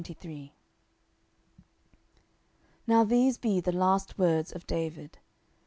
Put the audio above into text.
10:023:001 Now these be the last words of David.